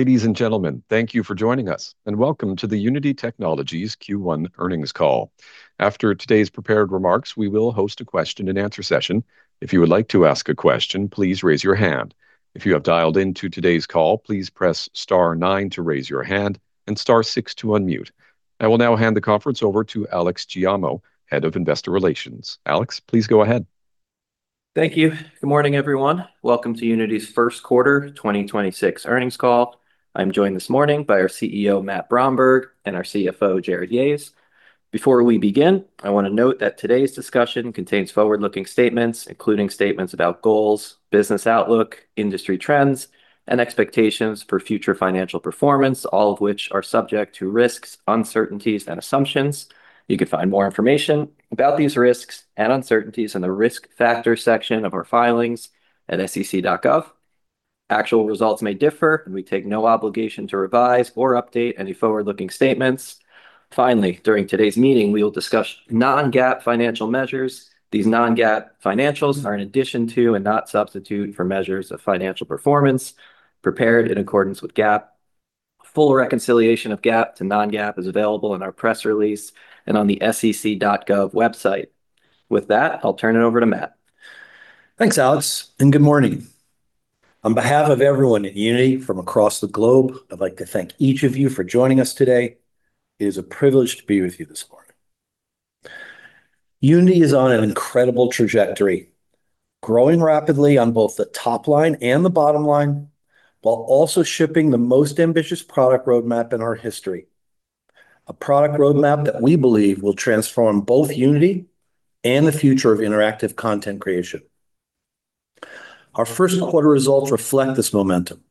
Ladies and gentlemen, thank you for joining us, and welcome to the Unity Technologies Q1 earnings call. After today's prepared remarks, we will host a question and answer session. I will now hand the conference over to Alex Giaimo, Head of Investor Relations. Alex, please go ahead. Thank you. Good morning, everyone. Welcome to Unity's first quarter 2026 earnings call. I'm joined this morning by our CEO, Matthew Bromberg, and our CFO, Jarrod Yahes. Before we begin, I wanna note that today's discussion contains forward-looking statements, including statements about goals, business outlook, industry trends, and expectations for future financial performance, all of which are subject to risks, uncertainties, and assumptions. You can find more information about these risks and uncertainties in the risk factor section of our filings at sec.gov. Actual results may differ, and we take no obligation to revise or update any forward-looking statements. Finally, during today's meeting, we will discuss non-GAAP financial measures. These non-GAAP financials are in addition to and not substitute for measures of financial performance prepared in accordance with GAAP. Full reconciliation of GAAP to non-GAAP is available on our press release and on the sec.gov website. With that, I'll turn it over to Matt. Thanks, Alex. Good morning. On behalf of everyone at Unity from across the globe, I'd like to thank each of you for joining us today. It is a privilege to be with you this morning. Unity is on an incredible trajectory, growing rapidly on both the top line and the bottom line, while also shipping the most ambitious product roadmap in our history, a product roadmap that we believe will transform both Unity and the future of interactive content creation. Our first quarter results reflect this momentum,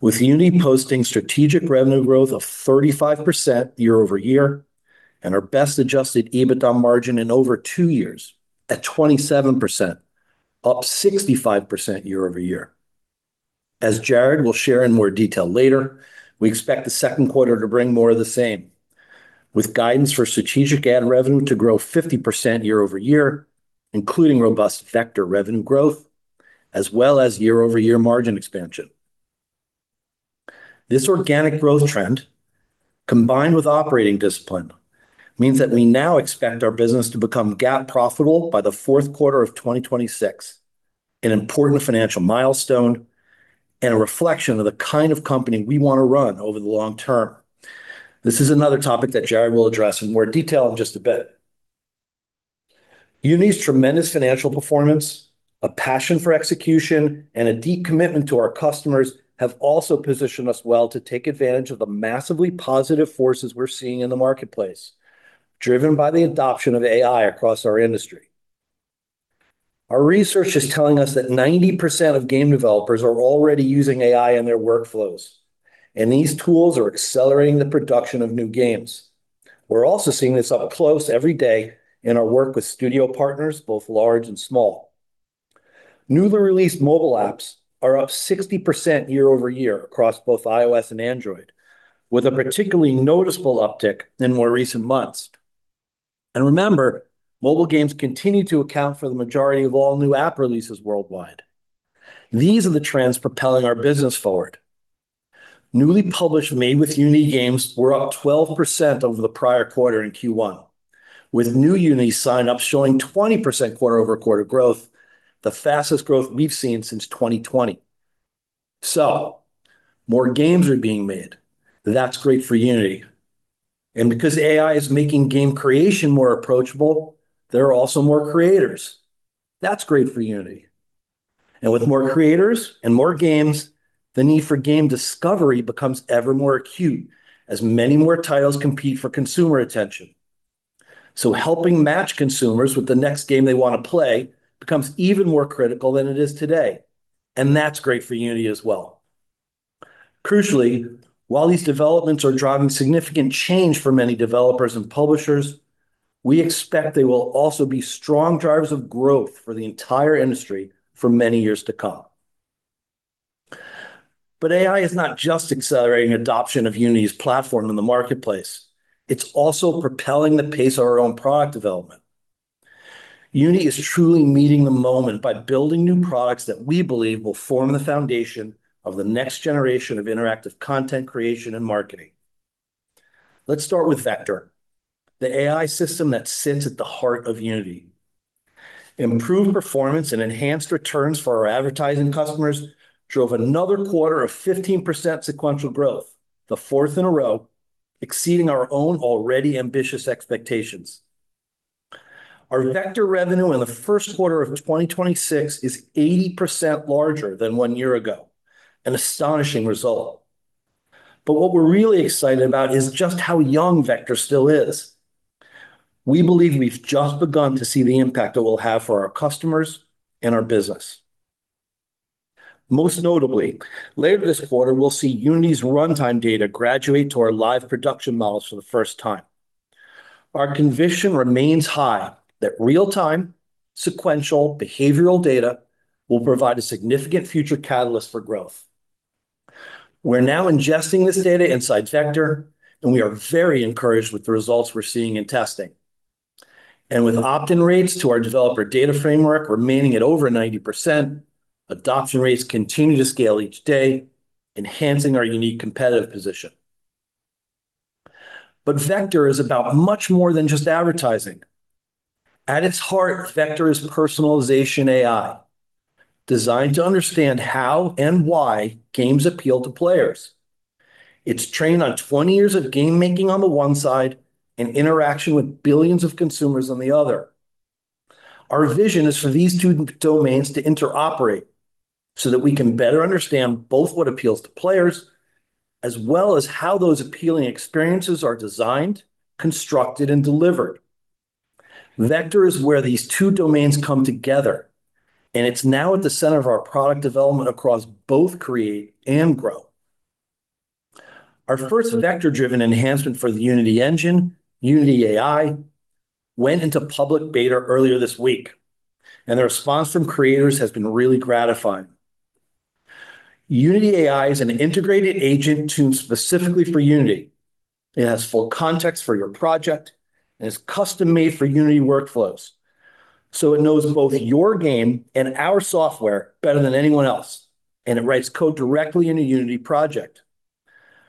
with Unity posting strategic revenue growth of 35% year-over-year and our best-adjusted EBITDA margin in over 2 years, at 27%, up 65% year-over-year. As Jarrod will share in more detail later, we expect the second quarter to bring more of the same, with guidance for strategic ad revenue to grow 50% year-over-year, including robust Vector revenue growth, as well as year-over-year margin expansion. This organic growth trend, combined with operating discipline, means that we now expect our business to become GAAP profitable by the fourth quarter of 2026, an important financial milestone and a reflection of the kind of company we wanna run over the long term. This is another topic that Jarrod will address in more detail in just a bit. Unity's tremendous financial performance, a passion for execution, and a deep commitment to our customers have also positioned us well to take advantage of the massively positive forces we're seeing in the marketplace, driven by the adoption of AI across our industry. Our research is telling us that 90% of game developers are already using AI in their workflows, and these tools are accelerating the production of new games. We're also seeing this up close every day in our work with studio partners, both large and small. Newly released mobile apps are up 60% year-over-year across both iOS and Android, with a particularly noticeable uptick in more recent months. Remember, mobile games continue to account for the majority of all new app releases worldwide. These are the trends propelling our business forward. Newly published made with Unity games were up 12% over the prior quarter in Q1, with new Unity signups showing 20% quarter-over-quarter growth, the fastest growth we've seen since 2020. More games are being made. That's great for Unity. Because AI is making game creation more approachable, there are also more creators. That's great for Unity. With more creators and more games, the need for game discovery becomes ever more acute as many more titles compete for consumer attention. Helping match consumers with the next game they wanna play becomes even more critical than it is today, and that's great for Unity as well. Crucially, while these developments are driving significant change for many developers and publishers, we expect they will also be strong drivers of growth for the entire industry for many years to come. AI is not just accelerating adoption of Unity's platform in the marketplace. It's also propelling the pace of our own product development. Unity is truly meeting the moment by building new products that we believe will form the foundation of the next generation of interactive content creation and marketing. Let's start with Vector, the AI system that sits at the heart of Unity. Improved performance and enhanced returns for our advertising customers drove another quarter of 15% sequential growth, the fourth in a row, exceeding our own already ambitious expectations. Our Vector revenue in the first quarter of 2026 is 80% larger than one year ago, an astonishing result. What we're really excited about is just how young Vector still is. We believe we've just begun to see the impact it will have for our customers and our business. Most notably, later this quarter, we'll see Unity's runtime data graduate to our live production models for the first time. Our conviction remains high that real-time, sequential behavioral data will provide a significant future catalyst for growth. We're now ingesting this data inside Vector, we are very encouraged with the results we're seeing in testing. With opt-in rates to our developer data framework remaining at over 90%, adoption rates continue to scale each day, enhancing our unique competitive position. Vector is about much more than just advertising. At its heart, Vector is personalization AI, designed to understand how and why games appeal to players. It's trained on 20 years of game making on the one side and interaction with billions of consumers on the other. Our vision is for these two domains to interoperate so that we can better understand both what appeals to players as well as how those appealing experiences are designed, constructed, and delivered. Vector is where these two domains come together, and it's now at the center of our product development across both create and grow. Our first Vector-driven enhancement for the Unity Engine, Unity AI, went into public beta earlier this week, and the response from creators has been really gratifying. Unity AI is an integrated agent tuned specifically for Unity. It has full context for your project and is custom-made for Unity workflows, so it knows both your game and our software better than anyone else, and it writes code directly in a Unity project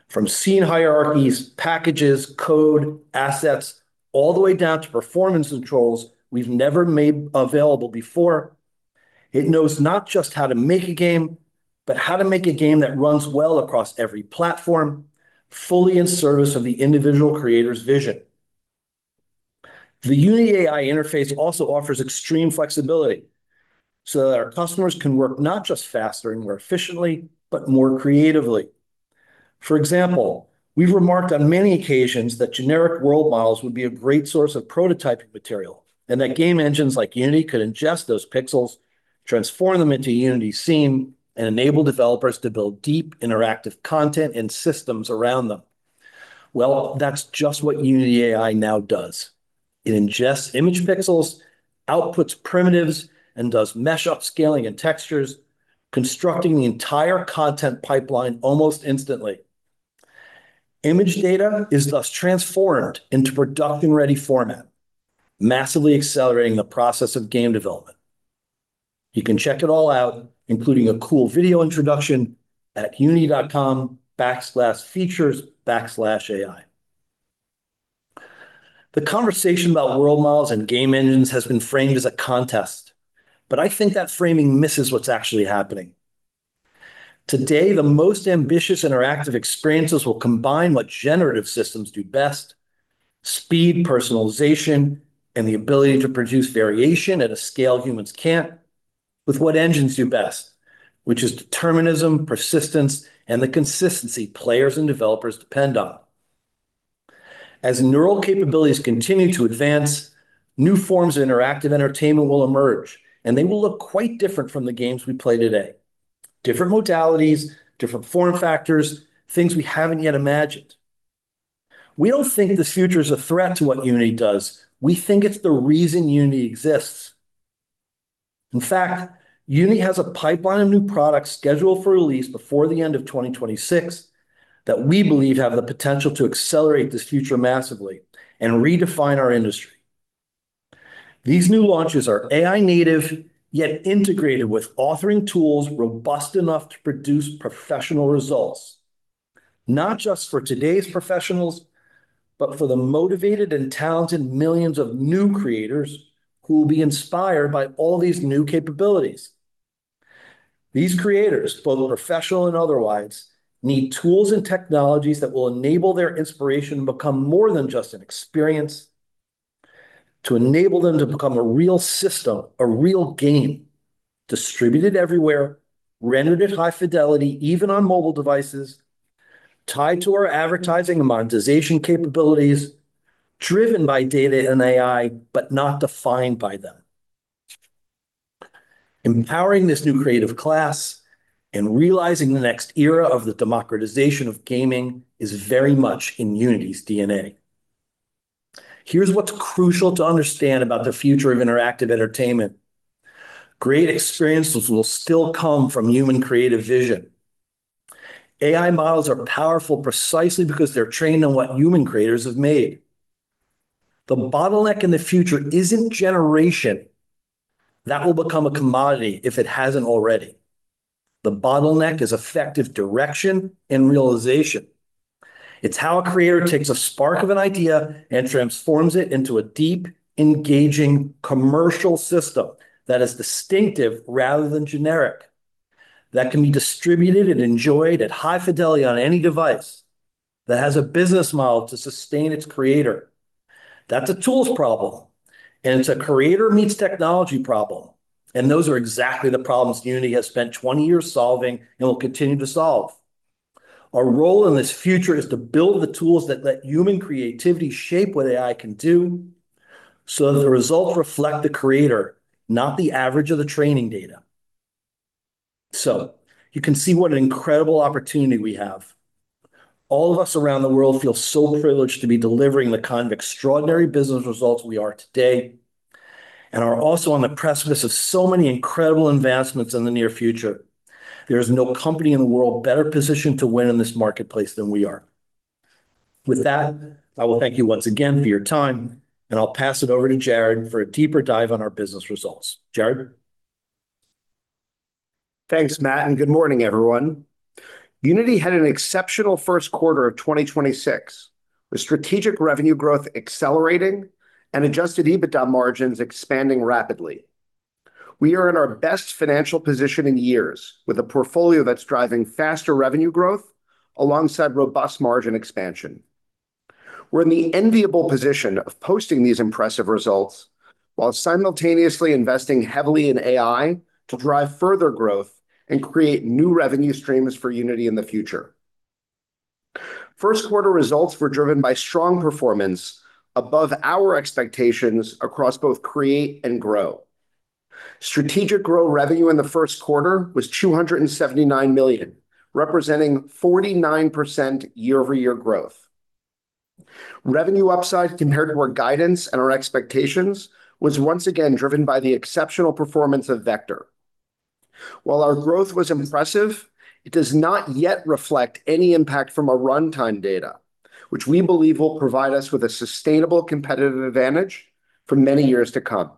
from scene hierarchies, packages, code, assets, all the way down to performance controls we've never made available before. It knows not just how to make a game, but how to make a game that runs well across every platform, fully in service of the individual creator's vision. The Unity AI interface also offers extreme flexibility so that our customers can work not just faster and more efficiently, but more creatively. For example, we've remarked on many occasions that generic world models would be a great source of prototyping material and that game engines like Unity could ingest those pixels, transform them into Unity scene, and enable developers to build deep interactive content and systems around them. Well, that's just what Unity AI now does. It ingests image pixels, outputs primitives, and does mesh upscaling and textures, constructing the entire content pipeline almost instantly. Image data is thus transformed into production-ready format, massively accelerating the process of game development. You can check it all out, including a cool video introduction, at unity.com/features/ai. The conversation about world models and game engines has been framed as a contest, but I think that framing misses what's actually happening. Today, the most ambitious interactive experiences will combine what generative systems do best, speed, personalization, and the ability to produce variation at a scale humans can't, with what engines do best, which is determinism, persistence, and the consistency players and developers depend on. As neural capabilities continue to advance, new forms of interactive entertainment will emerge, and they will look quite different from the games we play today. Different modalities, different form factors, things we haven't yet imagined. We don't think this future is a threat to what Unity does. We think it's the reason Unity exists. In fact, Unity has a pipeline of new products scheduled for release before the end of 2026 that we believe have the potential to accelerate this future massively and redefine our industry. These new launches are AI native, yet integrated with authoring tools robust enough to produce professional results, not just for today's professionals, but for the motivated and talented millions of new creators who will be inspired by all these new capabilities. These creators, both professional and otherwise, need tools and technologies that will enable their inspiration to become more than just an experience, to enable them to become a real system, a real game, distributed everywhere, rendered at high fidelity, even on mobile devices, tied to our advertising and monetization capabilities, driven by data and AI, but not defined by them. Empowering this new creative class and realizing the next era of the democratization of gaming is very much in Unity's DNA. Here's what's crucial to understand about the future of interactive entertainment. Great experiences will still come from human creative vision. AI models are powerful precisely because they're trained on what human creators have made. The bottleneck in the future isn't generation. That will become a commodity if it hasn't already. The bottleneck is effective direction and realization. It's how a creator takes a spark of an idea and transforms it into a deep, engaging commercial system that is distinctive rather than generic, that can be distributed and enjoyed at high fidelity on any device, that has a business model to sustain its creator. That's a tools problem, and it's a creator meets technology problem. Those are exactly the problems Unity has spent 20 years solving and will continue to solve. Our role in this future is to build the tools that let human creativity shape what AI can do so that the results reflect the creator, not the average of the training data. You can see what an incredible opportunity we have. All of us around the world feel so privileged to be delivering the kind of extraordinary business results we are today. We are also on the precipice of so many incredible advancements in the near future. There's no company in the world better positioned to win in this marketplace than we are. With that, I will thank you once again for your time, and I'll pass it over to Jarrod for a deeper dive on our business results. Jarrod? Thanks, Matt. Good morning, everyone. Unity had an exceptional first quarter of 2026, with strategic revenue growth accelerating and adjusted EBITDA margins expanding rapidly. We are in our best financial position in years, with a portfolio that's driving faster revenue growth alongside robust margin expansion. We're in the enviable position of posting these impressive results while simultaneously investing heavily in AI to drive further growth and create new revenue streams for Unity in the future. First quarter results were driven by strong performance above our expectations across both create and grow. strategic grow revenue in the first quarter was $279 million, representing 49% year-over-year growth. Revenue upside compared to our guidance and our expectations was once again driven by the exceptional performance of Vector. While our growth was impressive, it does not yet reflect any impact from a runtime data, which we believe will provide us with a sustainable competitive advantage for many years to come.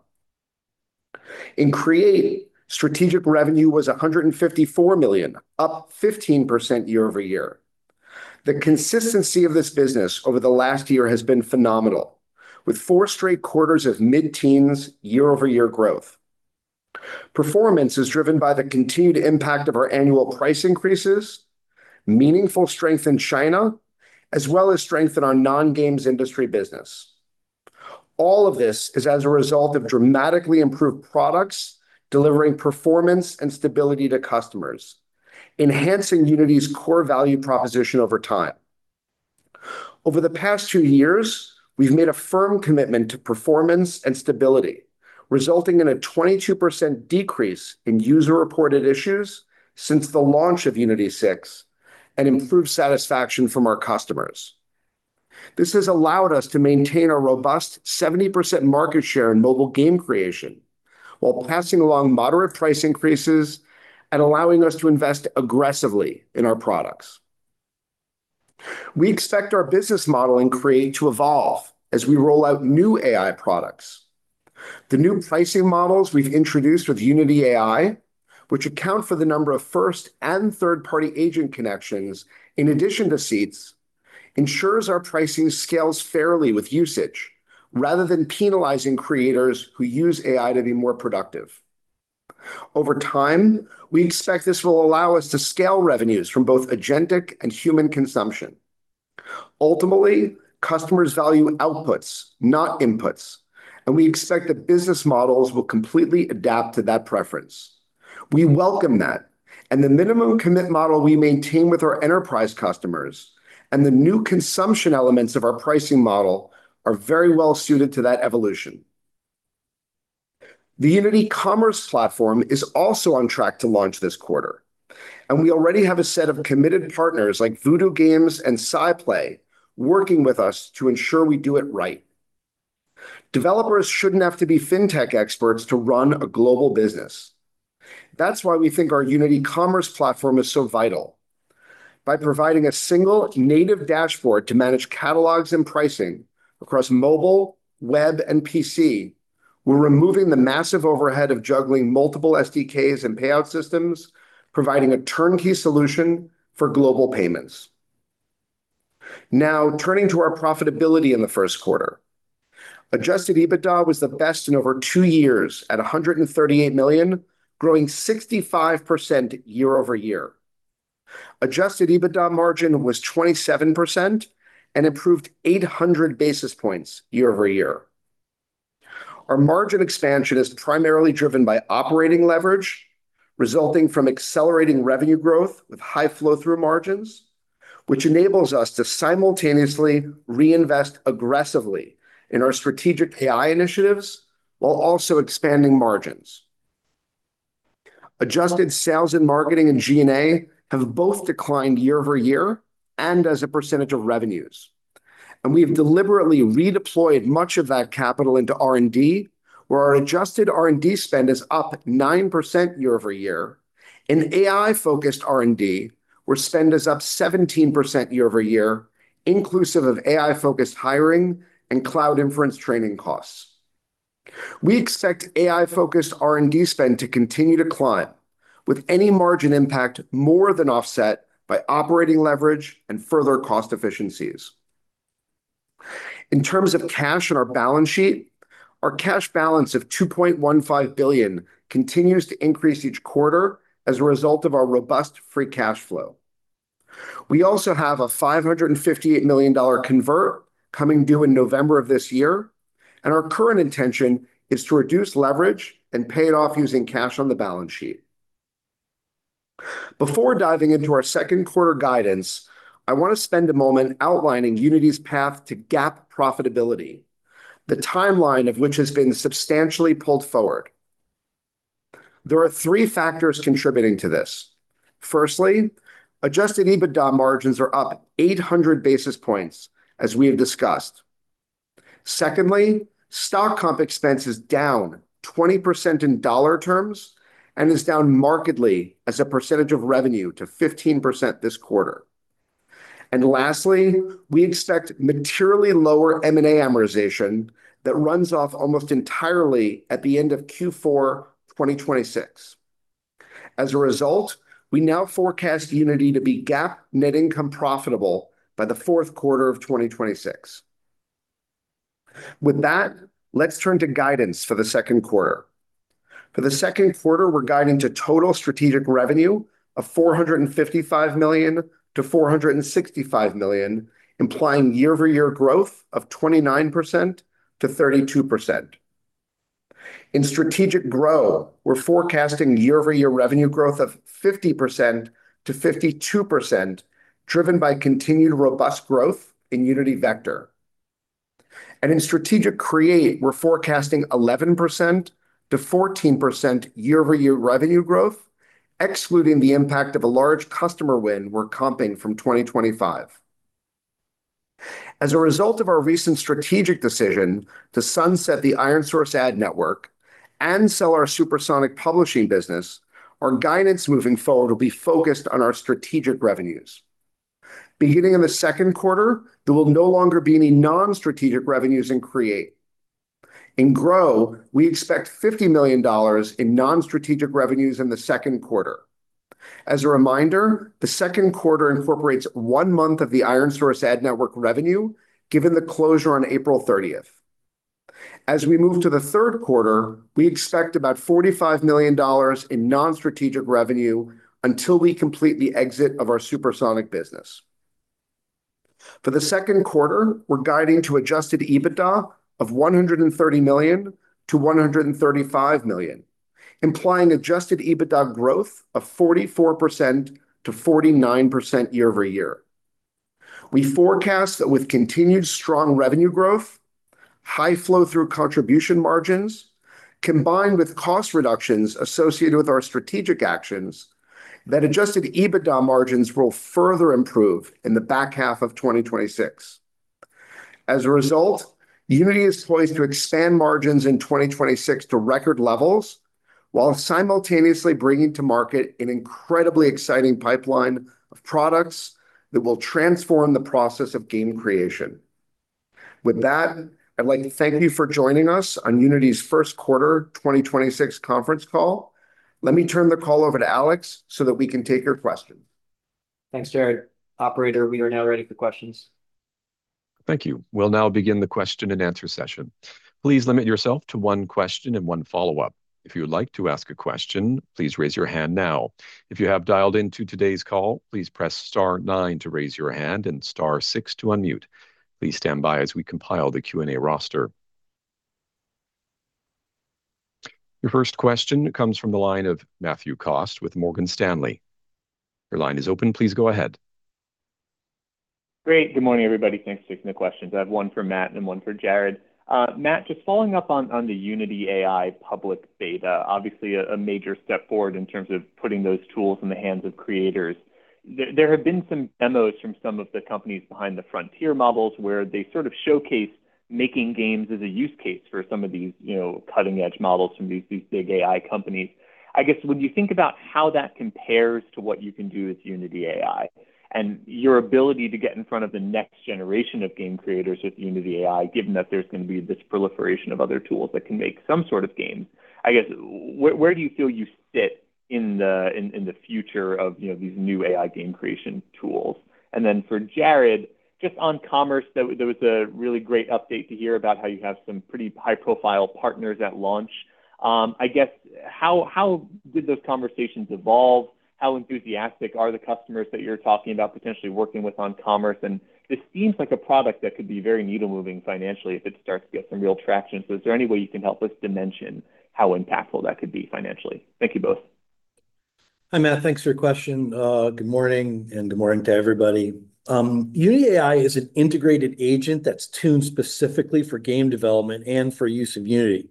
In Create, strategic revenue was $154 million, up 15% year-over-year. The consistency of this business over the last year has been phenomenal, with four straight quarters of mid-teens year-over-year growth. Performance is driven by the continued impact of our annual price increases, meaningful strength in China, as well as strength in our non-games industry business. All of this is as a result of dramatically improved products, delivering performance and stability to customers, enhancing Unity's core value proposition over time. Over the past two years, we've made a firm commitment to performance and stability, resulting in a 22% decrease in user-reported issues since the launch of Unity 6 and improved satisfaction from our customers. This has allowed us to maintain a robust 70% market share in mobile game creation while passing along moderate price increases and allowing us to invest aggressively in our products. We expect our business model in Create to evolve as we roll out new AI products. The new pricing models we've introduced with Unity AI, which account for the number of first and third-party agent connections in addition to seats, ensures our pricing scales fairly with usage rather than penalizing creators who use AI to be more productive. Over time, we expect this will allow us to scale revenues from both agentic and human consumption. Ultimately, customers value outputs, not inputs, and we expect that business models will completely adapt to that preference. We welcome that. The minimum commit model we maintain with our enterprise customers and the new consumption elements of our pricing model are very well-suited to that evolution. The Unity Commerce platform is also on track to launch this quarter. We already have a set of committed partners like Voodoo Games and SciPlay working with us to ensure we do it right. Developers shouldn't have to be fintech experts to run a global business. That's why we think our Unity Commerce platform is so vital. By providing a single native dashboard to manage catalogs and pricing across mobile, web, and PC, we're removing the massive overhead of juggling multiple SDKs and payout systems, providing a turnkey solution for global payments. Turning to our profitability in the first quarter. Adjusted EBITDA was the best in over two years at $138 million, growing 65% year-over-year. Adjusted EBITDA margin was 27% and improved 800 basis points year-over-year. Our margin expansion is primarily driven by operating leverage resulting from accelerating revenue growth with high flow through margins, which enables us to simultaneously reinvest aggressively in our strategic AI initiatives while also expanding margins. Adjusted sales and marketing and G&A have both declined year-over-year and as a percentage of revenues, and we have deliberately redeployed much of that capital into R&D, where our adjusted R&D spend is up 9% year-over-year, and AI-focused R&D, where spend is up 17% year-over-year, inclusive of AI-focused hiring and cloud inference training costs. We expect AI-focused R&D spend to continue to climb with any margin impact more than offset by operating leverage and further cost efficiencies. In terms of cash on our balance sheet, our cash balance of $2.15 billion continues to increase each quarter as a result of our robust free cash flow. We also have a $558 million convert coming due in November of this year, and our current intention is to reduce leverage and pay it off using cash on the balance sheet. Before diving into our second quarter guidance, I want to spend a moment outlining Unity's path to GAAP profitability, the timeline of which has been substantially pulled forward. There are three factors contributing to this. Firstly, adjusted EBITDA margins are up 800 basis points, as we have discussed. Secondly, stock comp expense is down 20% in dollar terms and is down markedly as a percentage of revenue to 15% this quarter. Lastly, we expect materially lower M&A amortization that runs off almost entirely at the end of Q4 2026. As a result, we now forecast Unity to be GAAP net income profitable by the fourth quarter of 2026. With that, let's turn to guidance for the second quarter. For the second quarter, we're guiding to total Strategic revenue of $455 million-$465 million, implying year-over-year growth of 29%-32%. In Strategic Growth, we're forecasting year-over-year revenue growth of 50%-52%, driven by continued robust growth in Unity Vector. In Strategic Create, we're forecasting 11%-14% year-over-year revenue growth, excluding the impact of a large customer win we're comping from 2025. As a result of our recent strategic decision to sunset the ironSource ad network and sell our Supersonic publishing business, our guidance moving forward will be focused on our strategic revenues. Beginning in the second quarter, there will no longer be any non-strategic revenues in Create. In Grow, we expect $50 million in non-strategic revenues in the second quarter. As a reminder, the second quarter incorporates 1 month of the ironSource ad network revenue, given the closure on April 30. We move to the third quarter, we expect about $45 million in non-strategic revenue until we complete the exit of our Supersonic business. For the second quarter, we're guiding to adjusted EBITDA of $130 million-$135 million, implying adjusted EBITDA growth of 44%-49% year-over-year. We forecast that with continued strong revenue growth, high flow through contribution margins, combined with cost reductions associated with our strategic actions, that adjusted EBITDA margins will further improve in the back half of 2026. As a result, Unity is poised to expand margins in 2026 to record levels while simultaneously bringing to market an incredibly exciting pipeline of products that will transform the process of game creation. With that, I'd like to thank you for joining us on Unity's 1st quarter 2026 conference call. Let me turn the call over to Alex so that we can take your questions. Thanks, Jarrod. Operator, we are now ready for questions. Thank you. We'll now begin the question and answer session. Please limit yourself to one question and one follow-up. If you would like to ask a question, please raise your hand now. Please stand by as we compile the Q&A roster. Your first question comes from the line of Matthew Cost with Morgan Stanley. Your line is open. Please go ahead. Great. Good morning, everybody. Thanks for taking the questions. I have one for Matt and one for Jarrod. Matt, just following up on the Unity AI public beta, obviously a major step forward in terms of putting those tools in the hands of creators. There have been some demos from some of the companies behind the frontier models where they sort of showcase making games as a use case for some of these, you know, cutting-edge models from these big AI companies. I guess when you think about how that compares to what you can do with Unity AI and your ability to get in front of the next generation of game creators with Unity AI, given that there's gonna be this proliferation of other tools that can make some sort of game. I guess where do you feel you sit in the future of, you know, these new AI game creation tools? Then for Jarrod, just on Commerce, there was a really great update to hear about how you have some pretty high-profile partners at launch. I guess how did those conversations evolve? How enthusiastic are the customers that you're talking about potentially working with on Commerce? This seems like a product that could be very needle-moving financially if it starts to get some real traction. Is there any way you can help us dimension how impactful that could be financially? Thank you both. Hi, Matt. Thanks for your question. Good morning, good morning to everybody. Unity AI is an integrated agent that's tuned specifically for game development and for use of Unity.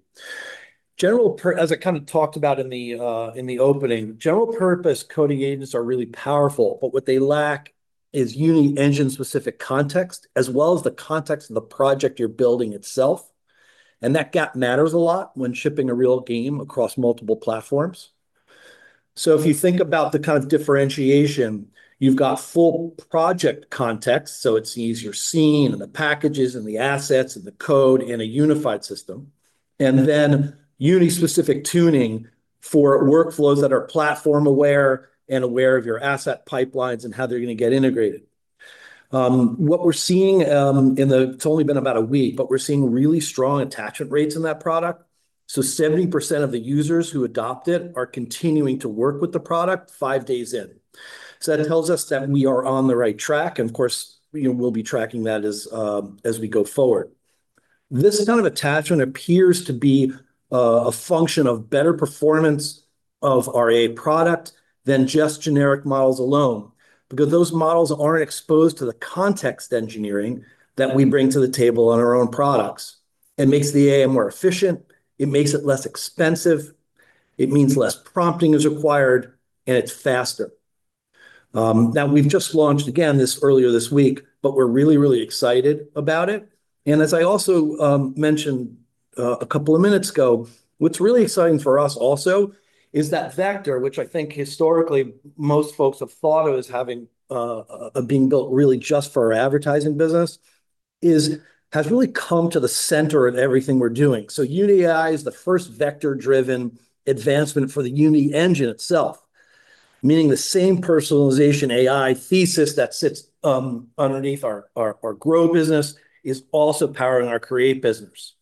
As I kinda talked about in the opening, general purpose coding agents are really powerful, what they lack is Unity Engine-specific context as well as the context of the project you're building itself, that gap matters a lot when shipping a real game across multiple platforms. If you think about the kind of differentiation, you've got full project context, it sees your scene and the packages and the assets and the code in a unified system, Unity-specific tuning for workflows that are platform-aware and aware of your asset pipelines and how they're gonna get integrated. What we're seeing, and it's only been about a week, but we're seeing really strong attachment rates in that product. 70% of the users who adopt it are continuing to work with the product 5 days in. That tells us that we are on the right track, and of course, you know, we'll be tracking that as we go forward. This kind of attachment appears to be a function of better performance of our AI product than just generic models alone because those models aren't exposed to the context engineering that we bring to the table on our own products. It makes the AI more efficient, it makes it less expensive, it means less prompting is required, and it's faster. Now we've just launched again this earlier this week, but we're really, really excited about it. As I also mentioned a couple of minutes ago, what's really exciting for us also is that Vector, which I think historically most folks have thought of as having being built really just for our advertising business, has really come to the center of everything we're doing. Unity AI is the first vector-driven advancement for the Unity Engine itself, meaning the same personalization AI thesis that sits underneath our grow business is also powering our create business.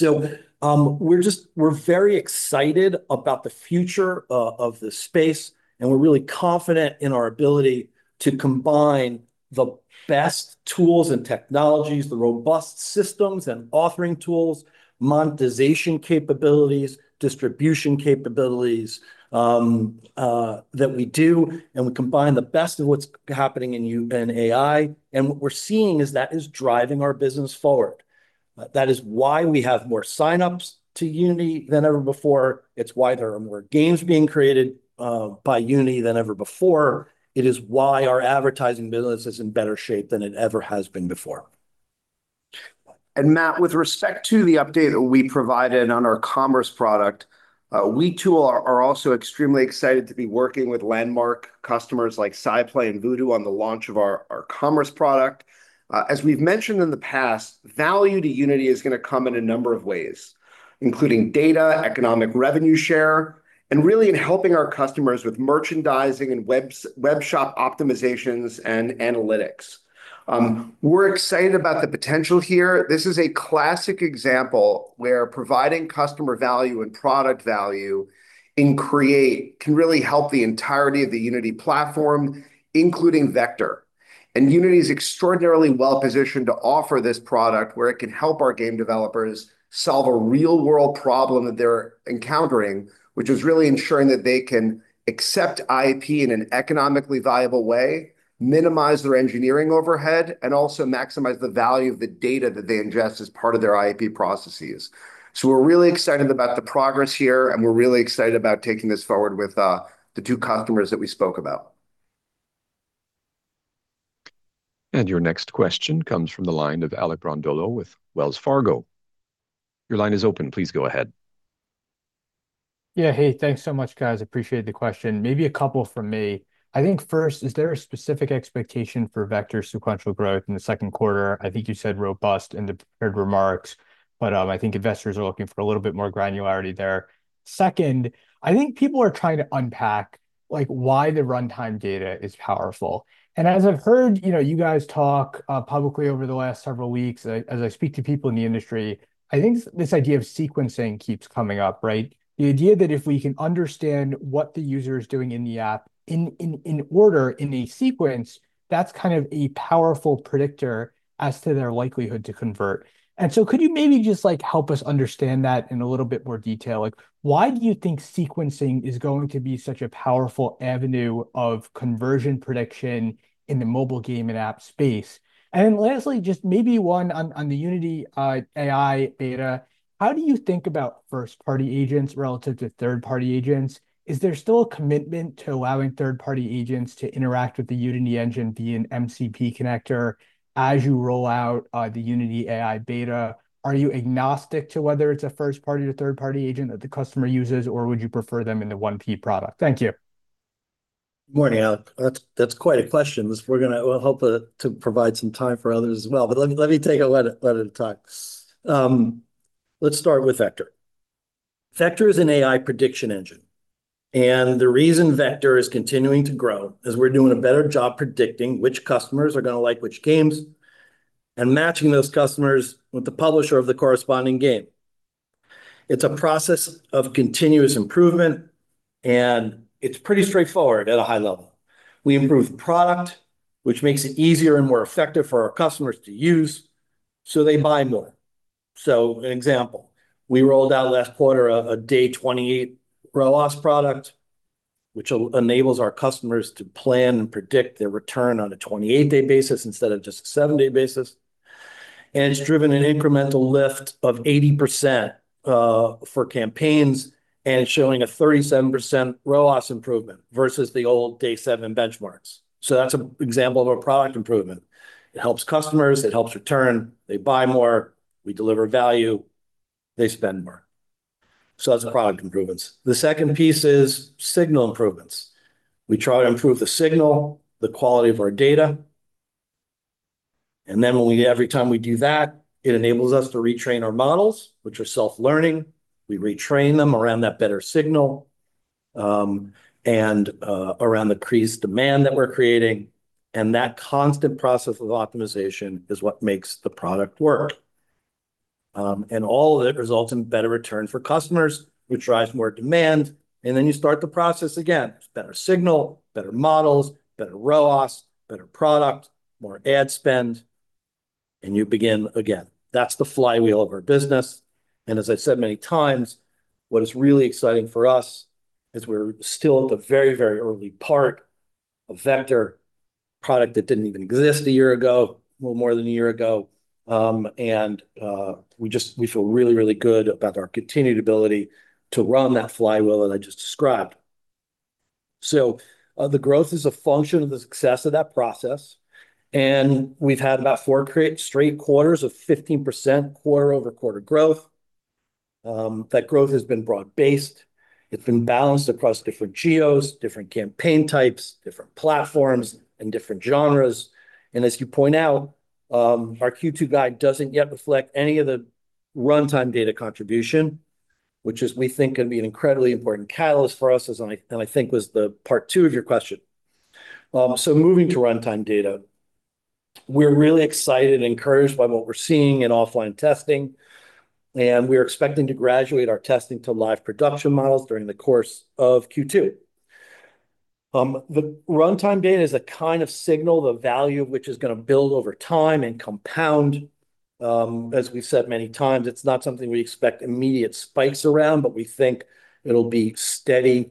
We're very excited about the future of this space, and we're really confident in our ability to combine the best tools and technologies, the robust systems and authoring tools, monetization capabilities, distribution capabilities that we do, and we combine the best of what's happening in Unity and AI, and what we're seeing is that is driving our business forward. That is why we have more sign-ups to Unity than ever before. It's why there are more games being created by Unity than ever before. It is why our advertising business is in better shape than it ever has been before. Matt, with respect to the update that we provided on our commerce product, we too are also extremely excited to be working with landmark customers like SciPlay and Voodoo on the launch of our commerce product. As we've mentioned in the past, value to Unity is gonna come in a number of ways, including data, economic revenue share, and really in helping our customers with merchandising and web shop optimizations and analytics. We're excited about the potential here. This is a classic example where providing customer value and product value in Create can really help the entirety of the Unity platform, including Vector. Unity is extraordinarily well-positioned to offer this product where it can help our game developers solve a real-world problem that they're encountering, which is really ensuring that they can accept IAP in an economically viable way, minimize their engineering overhead, and also maximize the value of the data that they ingest as part of their IAP processes. We're really excited about the progress here, and we're really excited about taking this forward with the two customers that we spoke about. Your next question comes from the line of Alec Brondolo with Wells Fargo. Your line is open. Please go ahead. Yeah. Hey, thanks so much, guys. Appreciate the question. Maybe a couple from me. First, is there a specific expectation for Vector sequential growth in the second quarter? You said robust in the prepared remarks, but investors are looking for a little bit more granularity there. Second, people are trying to unpack, like, why the runtime data is powerful. As I've heard, you know, you guys talk publicly over the last several weeks, as I speak to people in the industry, this idea of sequencing keeps coming up, right? The idea that if we can understand what the user is doing in the app in order, in a sequence, that's kind of a powerful predictor as to their likelihood to convert. Could you maybe just, like, help us understand that in a little bit more detail? Why do you think sequencing is going to be such a powerful avenue of conversion prediction in the mobile game and app space? Lastly, just maybe one on the Unity AI beta. How do you think about first-party agents relative to third-party agents? Is there still a commitment to allowing third-party agents to interact with the Unity Engine via an MCP connector as you roll out the Unity AI beta? Are you agnostic to whether it's a first party or third-party agent that the customer uses, or would you prefer them in the 1P product? Thank you. Morning, Alec. That's quite a question. We'll hope to provide some time for others as well, but let me take a let at a time. Let's start with Vector. Vector is an AI prediction engine. The reason Vector is continuing to grow is we're doing a better job predicting which customers are gonna like which games and matching those customers with the publisher of the corresponding game. It's a process of continuous improvement. It's pretty straightforward at a high level. We improve product, which makes it easier and more effective for our customers to use, so they buy more. An example, we rolled out last quarter a day 28 ROAS product, which enables our customers to plan and predict their return on a 28-day basis instead of just a seven-day basis, and it's driven an incremental lift of 80% for campaigns, and it's showing a 37% ROAS improvement versus the old day seven benchmarks. That's a example of a product improvement. It helps customers, it helps return, they buy more, we deliver value, they spend more. That's product improvements. The second piece is signal improvements. We try to improve the signal, the quality of our data, and then every time we do that, it enables us to retrain our models, which are self-learning. We retrain them around that better signal, around the increased demand that we're creating, and that constant process of optimization is what makes the product work. All of it results in better return for customers, which drives more demand, and then you start the process again. Better signal, better models, better ROAS, better product, more ad spend, and you begin again. That's the flywheel of our business, and as I said many times, what is really exciting for us is we're still at the very, very early part of Vector product that didn't even exist a year ago, little more than a year ago. We feel really, really good about our continued ability to run that flywheel that I just described. The growth is a function of the success of that process, and we've had about 4 straight quarters of 15% quarter-over-quarter growth. That growth has been broad-based. It's been balanced across different geos, different campaign types, different platforms, and different genres. As you point out, our Q2 guide doesn't yet reflect any of the runtime data contribution, which is, we think, can be an incredibly important catalyst for us, as I, and I think was the part 2 of your question. Moving to runtime data, we're really excited and encouraged by what we're seeing in offline testing, and we're expecting to graduate our testing to live production models during the course of Q2. The runtime data is a kind of signal, the value of which is gonna build over time and compound. As we've said many times, it's not something we expect immediate spikes around, but we think it'll be steady,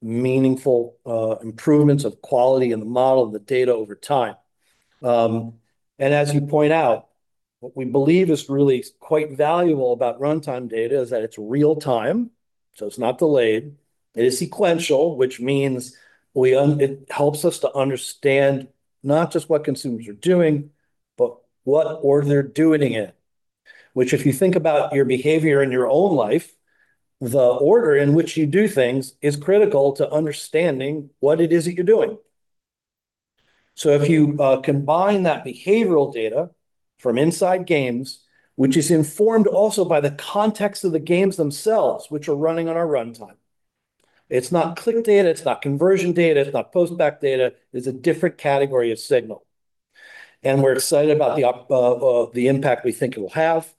meaningful, improvements of quality in the model and the data over time. As you point out, what we believe is really quite valuable about runtime data is that it's real time, so it's not delayed. It is sequential, which means it helps us to understand not just what consumers are doing, but what order they're doing it. Which if you think about your behavior in your own life, the order in which you do things is critical to understanding what it is that you're doing. If you combine that behavioral data from inside games, which is informed also by the context of the games themselves, which are running on our runtime, it's not click data, it's not conversion data, it's not postback data. It's a different category of signal. We're excited about the impact we think it will have.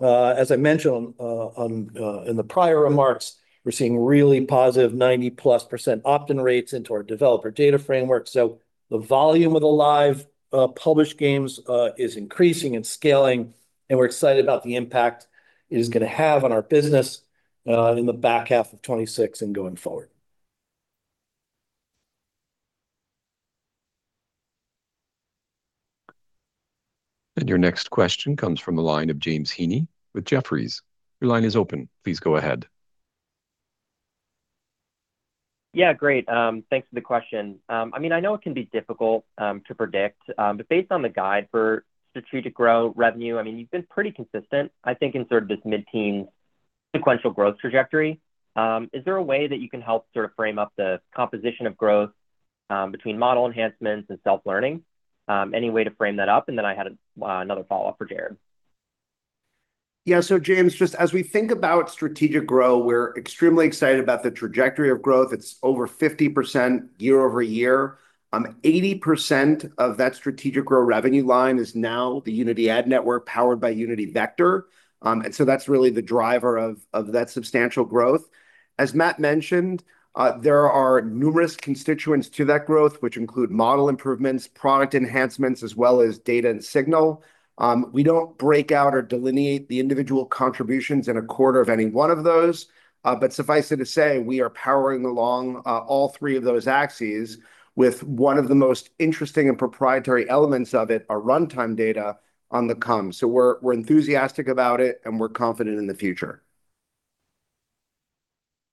As I mentioned in the prior remarks, we're seeing really positive +90% opt-in rates into our developer data framework, so the volume of the live published games is increasing and scaling, and we're excited about the impact it is gonna have on our business in the back half of 2026 and going forward. Your next question comes from the line of James Heaney with Jefferies. Your line is open. Please go ahead. Yeah, great. Thanks for the question. I mean, I know it can be difficult to predict, but based on the guide for strategic grow revenue, I mean, you've been pretty consistent, I think, in sort of this mid-teen sequential growth trajectory. Is there a way that you can help sort of frame up the composition of growth between model enhancements and self-learning? Any way to frame that up? Then I had another follow-up for Jarrod. Yeah. James, just as we think about strategic growth, we're extremely excited about the trajectory of growth. It's over 50% year-over-year. 80% of that strategic growth revenue line is now the Unity Ad Network powered by Unity Vector. That's really the driver of that substantial growth. As Matt mentioned, there are numerous constituents to that growth, which include model improvements, product enhancements, as well as data and signal. We don't break out or delineate the individual contributions in a quarter of any one of those, but suffice it to say, we are powering along all three of those axes with one of the most interesting and proprietary elements of it, our runtime data on the come. We're enthusiastic about it, and we're confident in the future.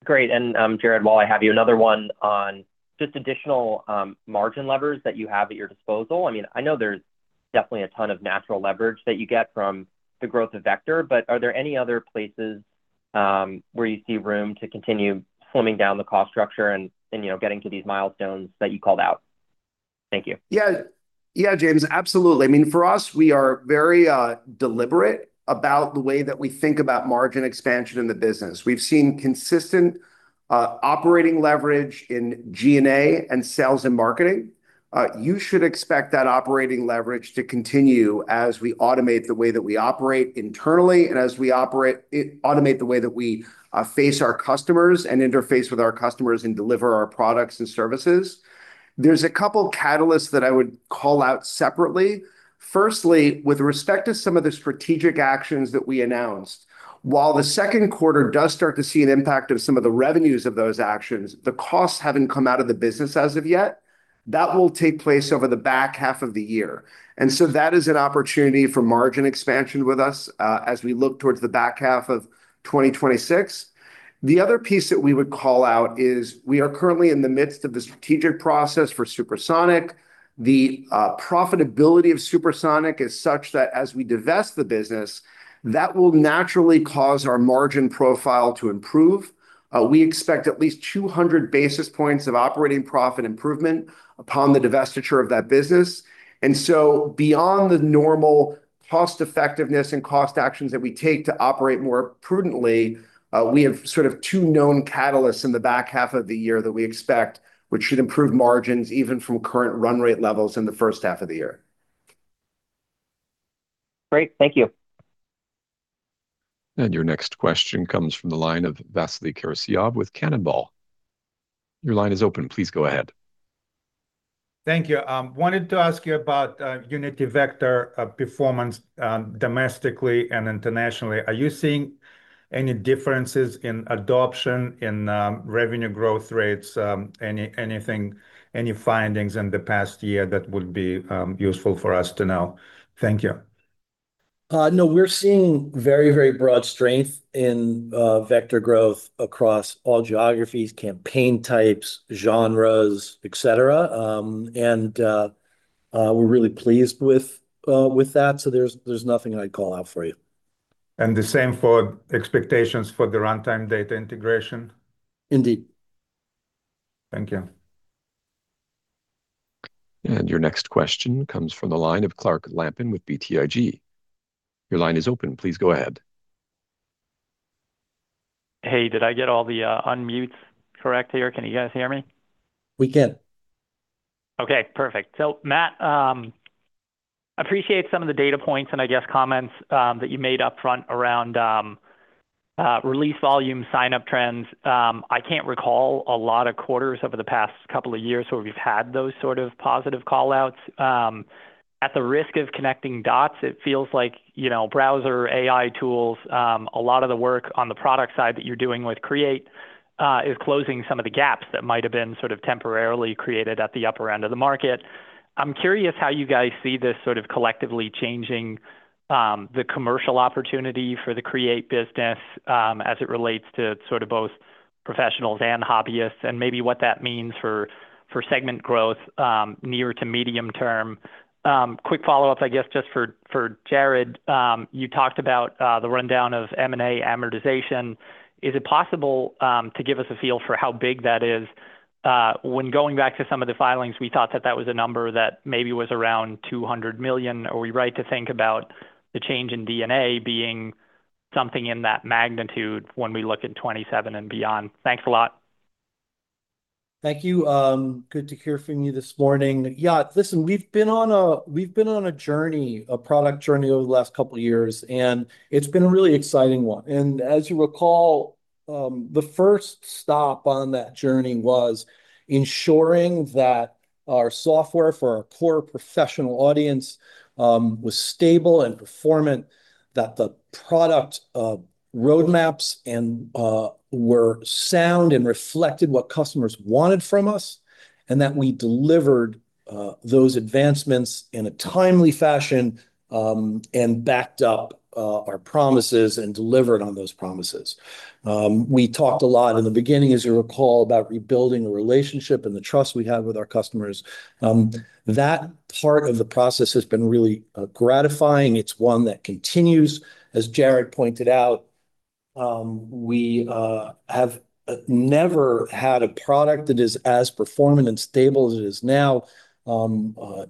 Great. Jarrod, while I have you, another one on just additional margin levers that you have at your disposal. I mean, I know there's definitely a ton of natural leverage that you get from the growth of Vector, but are there any other places, where you see room to continue slimming down the cost structure and, you know, getting to these milestones that you called out? Thank you. Yeah, James, absolutely. I mean, for us, we are very deliberate about the way that we think about margin expansion in the business. We've seen consistent operating leverage in G&A and sales and marketing. You should expect that operating leverage to continue as we automate the way that we operate internally and as we automate the way that we face our customers and interface with our customers and deliver our products and services. There's a couple catalysts that I would call out separately. Firstly, with respect to some of the strategic actions that we announced, while the second quarter does start to see an impact of some of the revenues of those actions, the costs haven't come out of the business as of yet. That will take place over the back half of the year. That is an opportunity for margin expansion with us, as we look towards the back half of 2026. The other piece that we would call out is we are currently in the midst of the strategic process for Supersonic. The profitability of Supersonic is such that as we divest the business, that will naturally cause our margin profile to improve. We expect at least 200 basis points of operating profit improvement upon the divestiture of that business. Beyond the normal cost effectiveness and cost actions that we take to operate more prudently, we have sort of two known catalysts in the back half of the year that we expect, which should improve margins even from current run rate levels in the first half of the year. Great. Thank you. Your next question comes from the line of Vasily Karasyov with Cannonball. Your line is open. Please go ahead. Thank you. Wanted to ask you about Unity Vector performance domestically and internationally. Are you seeing any differences in adoption in revenue growth rates? Anything, any findings in the past year that would be useful for us to know? Thank you. No, we're seeing very broad strength in Vector growth across all geographies, campaign types, genres, et cetera. We're really pleased with that. There's nothing I'd call out for you. The same for expectations for the runtime data integration? Indeed. Thank you. Your next question comes from the line of Clark Lampen with BTIG. Your line is open, please go ahead. Hey, did I get all the unmutes correct here? Can you guys hear me? We can. Okay, perfect. Matt, appreciate some of the data points, and I guess comments that you made up front around release volume sign-up trends. I can't recall a lot of quarters over the past couple of years where we've had those sort of positive call-outs. At the risk of connecting dots, it feels like, you know, browser, AI tools, a lot of the work on the product side that you're doing with Create, is closing some of the gaps that might have been sort of temporarily created at the upper end of the market. I'm curious how you guys see this sort of collectively changing the commercial opportunity for the Create business, as it relates to sort of both professionals and hobbyists, and maybe what that means for segment growth near to medium term. Quick follow-up, I guess, just for Jarrod. You talked about the rundown of M&A amortization. Is it possible to give us a feel for how big that is? When going back to some of the filings, we thought that that was a number that maybe was around $200 million. Are we right to think about the change in D&A being something in that magnitude when we look at 2027 and beyond? Thanks a lot. Thank you. Good to hear from you this morning. We've been on a journey, a product journey over the last couple years, and it's been a really exciting one. As you recall, the first stop on that journey was ensuring that our software for our core professional audience was stable and performant, that the product roadmaps and were sound and reflected what customers wanted from us, and that we delivered those advancements in a timely fashion and backed up our promises and delivered on those promises. We talked a lot in the beginning, as you recall, about rebuilding the relationship and the trust we have with our customers. That part of the process has been really gratifying. It's one that continues. As Jarrod pointed out, we have never had a product that is as performant and stable as it is now.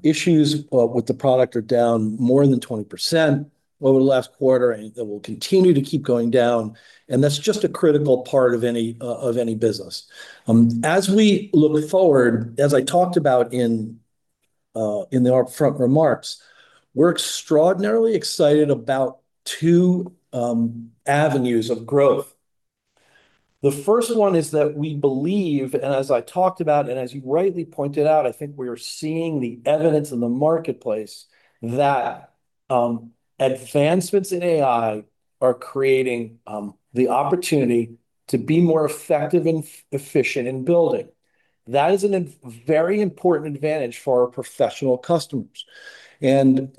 Issues with the product are down more than 20% over the last quarter, and that will continue to keep going down, and that's just a critical part of any of any business. As we look forward, as I talked about in the upfront remarks, we're extraordinarily excited about two avenues of growth. The first one is that we believe, and as I talked about and as you rightly pointed out, I think we are seeing the evidence in the marketplace that advancements in AI are creating the opportunity to be more effective and efficient in building. That is a very important advantage for our professional customers. I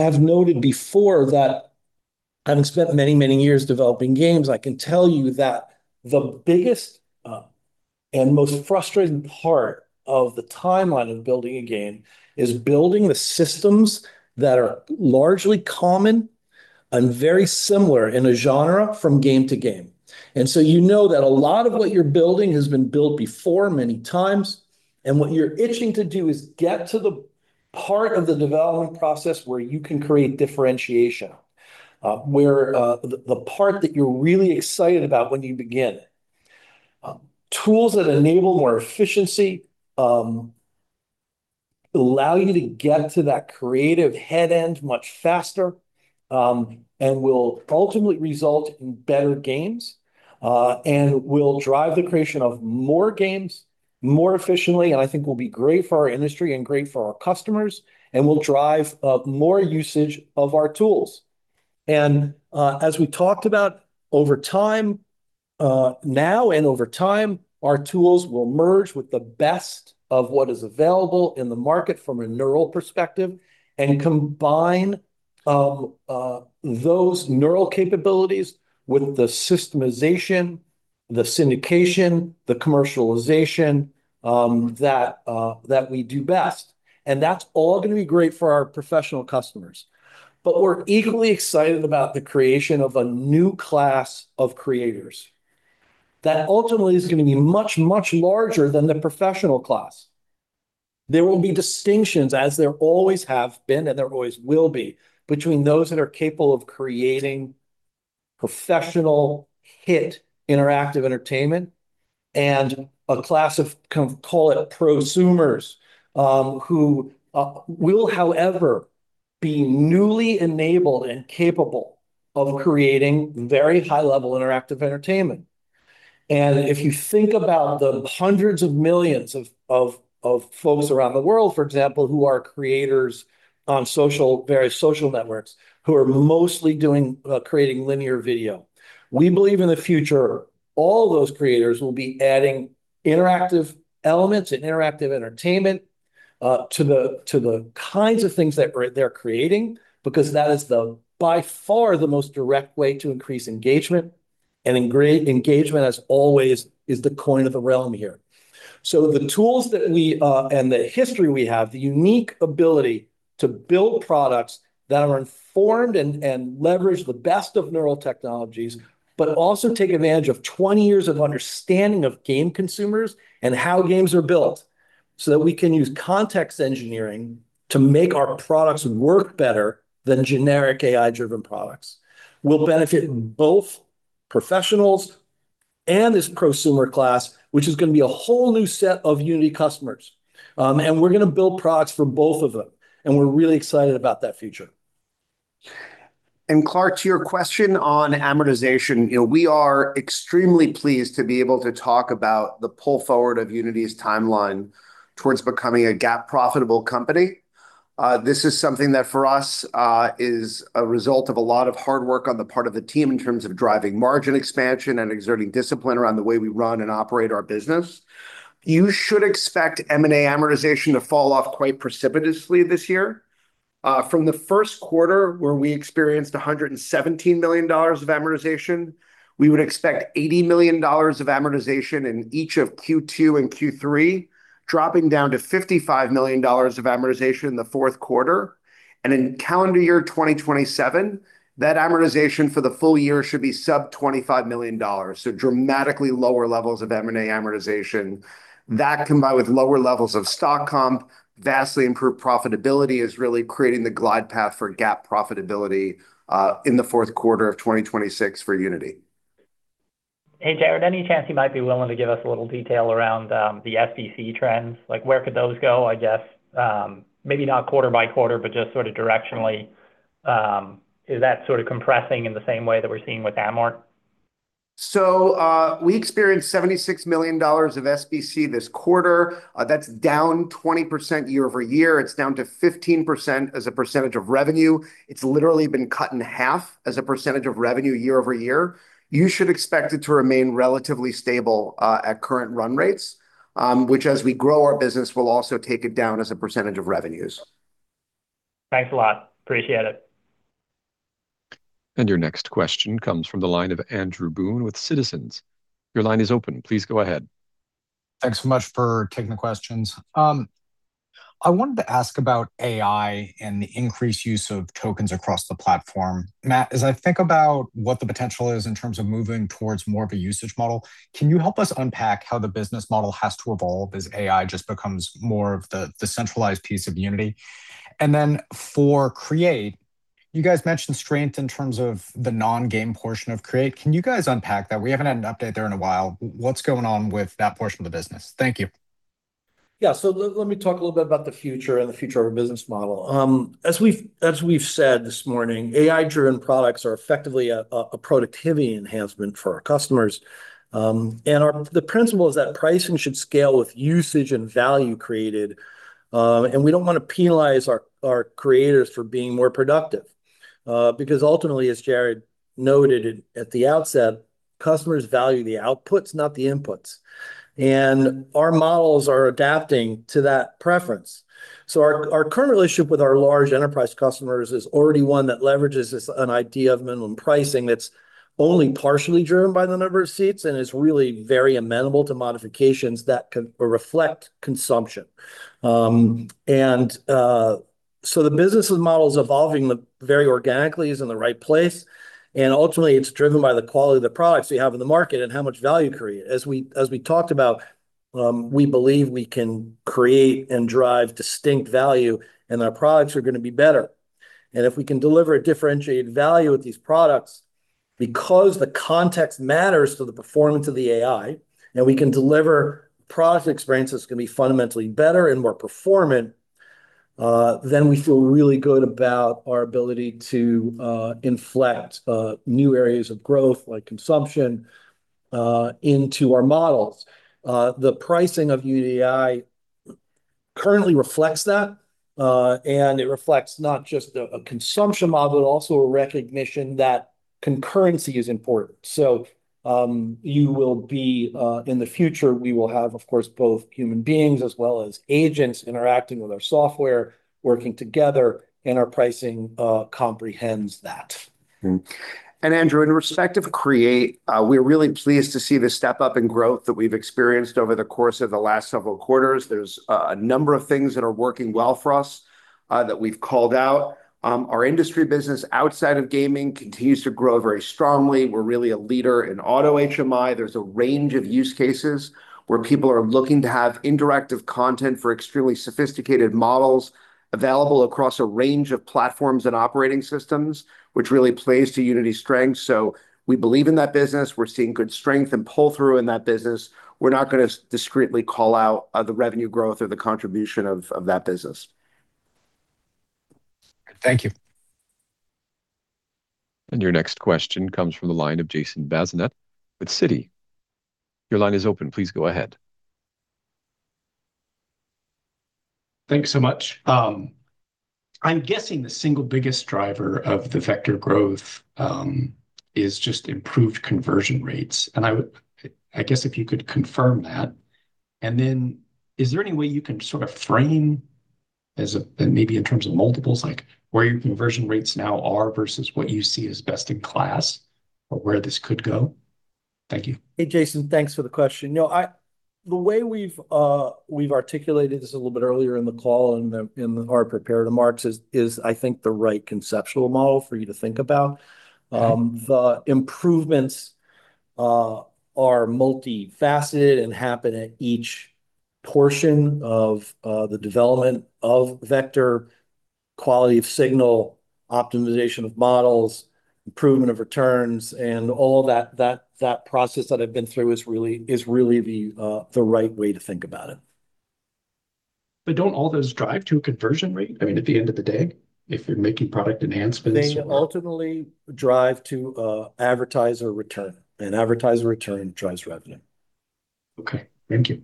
have noted before that having spent many, many years developing games, I can tell you that the biggest and most frustrating part of the timeline of building a game is building the systems that are largely common and very similar in a genre from game to game. You know that a lot of what you're building has been built before many times, and what you're itching to do is get to the part of the development process where you can create differentiation, where the part that you're really excited about when you begin. Tools that enable more efficiency, allow you to get to that creative head end much faster, and will ultimately result in better games, and will drive the creation of more games more efficiently, and I think will be great for our industry and great for our customers and will drive more usage of our tools. As we talked about, over time, now and over time, our tools will merge with the best of what is available in the market from a neural perspective and combine those neural capabilities with the systemization, the syndication, the commercialization, that we do best, and that's all gonna be great for our professional customers. We're equally excited about the creation of a new class of creators that ultimately is gonna be much, much larger than the professional class. There will be distinctions, as there always have been and there always will be, between those that are capable of creating professional hit interactive entertainment, and a class of, call it prosumers, who will, however, be newly enabled and capable of creating very high-level interactive entertainment. If you think about the hundreds of millions of folks around the world, for example, who are creators on social, various social networks, who are mostly doing creating linear video, we believe in the future all those creators will be adding interactive elements and interactive entertainment to the kinds of things that they're creating because that is the by far the most direct way to increase engagement, and engagement as always is the coin of the realm here. The tools that we, and the history we have, the unique ability to build products that are informed and leverage the best of neural technologies, but also take advantage of 20 years of understanding of game consumers and how games are built so that we can use context engineering to make our products work better than generic AI-driven products, will benefit both professionals and this prosumer class, which is gonna be a whole new set of Unity customers. We're gonna build products for both of them, and we're really excited about that future. Clark, to your question on amortization, you know, we are extremely pleased to be able to talk about the pull forward of Unity's timeline towards becoming a GAAP profitable company. This is something that for us is a result of a lot of hard work on the part of the team in terms of driving margin expansion and exerting discipline around the way we run and operate our business. You should expect M&A amortization to fall off quite precipitously this year. From the first quarter, where we experienced $117 million of amortization, we would expect $80 million of amortization in each of Q2 and Q3, dropping down to $55 million of amortization in the fourth quarter. In calendar year 2027, that amortization for the full year should be sub-$25 million, so dramatically lower levels of M&A amortization. That, combined with lower levels of stock comp, vastly improved profitability, is really creating the glide path for GAAP profitability in the fourth quarter of 2026 for Unity. Hey, Jarrod. Any chance you might be willing to give us a little detail around the SBC trends? Like, where could those go, I guess? Maybe not quarter by quarter, but just sort of directionally, is that sort of compressing in the same way that we're seeing with amort? We experienced $76 million of SBC this quarter. That's down 20% year-over-year. It's down to 15% as a percentage of revenue. It's literally been cut in half as a percentage of revenue year-over-year. You should expect it to remain relatively stable at current run rates, which as we grow our business will also take it down as a percentage of revenues. Thanks a lot. Appreciate it. Your next question comes from the line of Andrew Boone with Citizens. Thanks so much for taking the questions. I wanted to ask about AI and the increased use of tokens across the platform. Matt, as I think about what the potential is in terms of moving towards more of a usage model, can you help us unpack how the business model has to evolve as AI just becomes more of the centralized piece of Unity? For Create, you guys mentioned strength in terms of the non-game portion of Create. Can you guys unpack that? We haven't had an update there in a while. What's going on with that portion of the business? Thank you. Let me talk a little bit about the future and the future of our business model. As we've said this morning, AI-driven products are effectively a productivity enhancement for our customers. The principle is that pricing should scale with usage and value created, and we don't wanna penalize our creators for being more productive. Because ultimately, as Jarrod noted at the outset, customers value the outputs, not the inputs, our models are adapting to that preference. Our current relationship with our large enterprise customers is already one that leverages this, an idea of minimum pricing that's only partially driven by the number of seats, is really very amenable to modifications that can reflect consumption. The business model's evolving very organically, is in the right place, and ultimately it's driven by the quality of the products we have in the market and how much value created. As we talked about, we believe we can create and drive distinct value, and our products are gonna be better. If we can deliver a differentiated value with these products, because the context matters to the performance of the AI, and we can deliver product experiences that can be fundamentally better and more performant, then we feel really good about our ability to inflect new areas of growth, like consumption, into our models. The pricing of UDI currently reflects that, and it reflects not just a consumption model, but also a recognition that concurrency is important. In the future we will have, of course, both human beings as well as agents interacting with our software, working together, and our pricing comprehends that. Andrew, in respect of Create, we're really pleased to see the step-up in growth that we've experienced over the course of the last several quarters. There's a number of things that are working well for us that we've called out. Our industry business outside of gaming continues to grow very strongly. We're really a leader in automotive HMI. There's a range of use cases where people are looking to have interactive content for extremely sophisticated models available across a range of platforms and operating systems, which really plays to Unity's strengths. We believe in that business. We're seeing good strength and pull-through in that business. We're not gonna discreetly call out the revenue growth or the contribution of that business. Thank you. Your next question comes from the line of Jason Bazinet with Citi. Thanks so much. I'm guessing the single biggest driver of the Vector growth is just improved conversion rates. I guess if you could confirm that. Then is there any way you can sort of frame as a maybe in terms of multiples, like where your conversion rates now are versus what you see as best in class or where this could go? Thank you. Hey, Jason. Thanks for the question. You know, the way we've articulated this a little bit earlier in the call and the, in our prepared remarks is I think the right conceptual model for you to think about. Right. The improvements are multifaceted and happen at each portion of the development of Vector, quality of signal, optimization of models, improvement of returns, and all that process that I've been through is really the right way to think about it. Don't all those drive to a conversion rate? I mean, at the end of the day, if you're making product enhancements. They ultimately drive to advertiser return, advertiser return drives revenue. Okay. Thank you.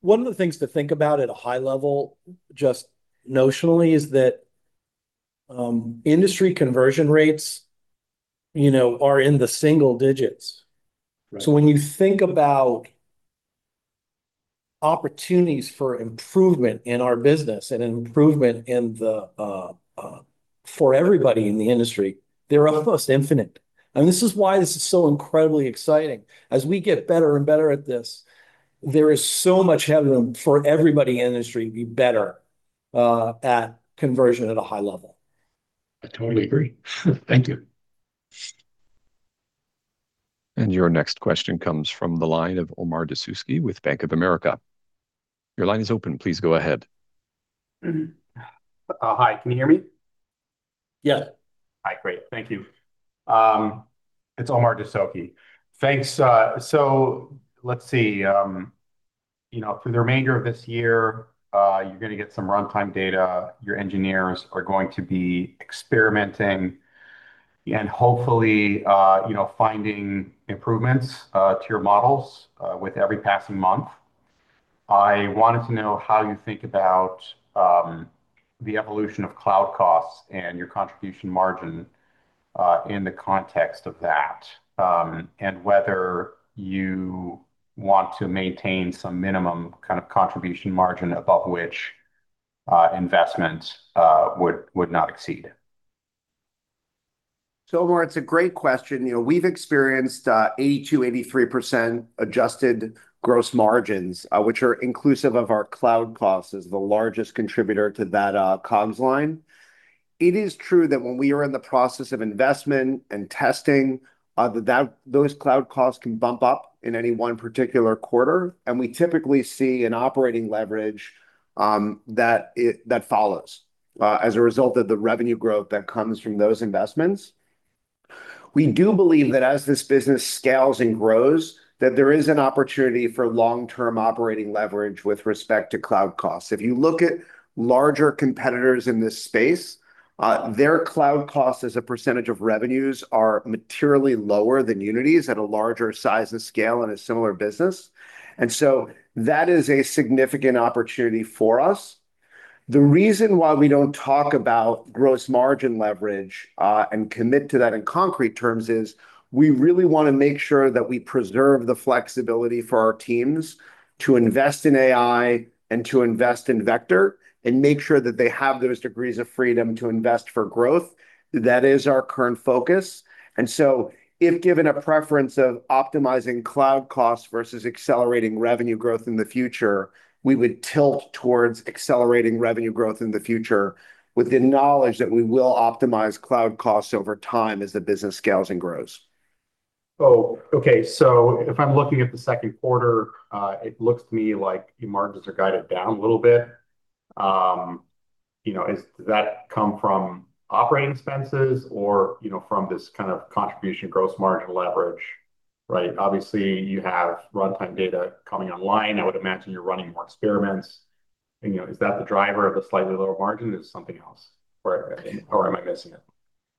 One of the things to think about at a high level, just notionally, is that industry conversion rates, you know, are in the single digits. Right. When you think about opportunities for improvement in our business and improvement in the for everybody in the industry, they're almost infinite. This is why this is so incredibly exciting. As we get better and better at this, there is so much headroom for everybody in the industry to be better at conversion at a high level. I totally agree. Thank you. Your next question comes from the line of Omar Dessouky with Bank of America. Your line is open. Please go ahead. Hi, can you hear me? Yes. Hi. Great. Thank you. It's Omar Dessouky. Thanks. Let's see. You know, through the remainder of this year, you're gonna get some runtime data. Your engineers are going to be experimenting and hopefully, you know, finding improvements to your models with every passing month. I wanted to know how you think about the evolution of cloud costs and your contribution margin in the context of that, and whether you want to maintain some minimum kind of contribution margin above which, investment would not exceed. Omar, it's a great question. You know, we've experienced 82%-83% adjusted gross margins, which are inclusive of our cloud costs as the largest contributor to that cost line. It is true that when we are in the process of investment and testing, that those cloud costs can bump up in any one particular quarter, and we typically see an operating leverage that follows as a result of the revenue growth that comes from those investments. We do believe that as this business scales and grows, that there is an opportunity for long-term operating leverage with respect to cloud costs. If you look at larger competitors in this space, their cloud costs as a percentage of revenues are materially lower than Unity's at a larger size and scale in a similar business. That is a significant opportunity for us. The reason why we don't talk about gross margin leverage and commit to that in concrete terms is we really wanna make sure that we preserve the flexibility for our teams to invest in AI and to invest in Vector and make sure that they have those degrees of freedom to invest for growth. That is our current focus. If given a preference of optimizing cloud costs versus accelerating revenue growth in the future, we would tilt towards accelerating revenue growth in the future with the knowledge that we will optimize cloud costs over time as the business scales and grows. Okay. If I'm looking at the second quarter, it looks to me like your margins are guided down a little bit. You know, does that come from operating expenses or, you know, from this kind of contribution gross margin leverage, right? Obviously, you have runtime data coming online. I would imagine you're running more experiments. You know, is that the driver of a slightly lower margin or is it something else? Or am I missing it?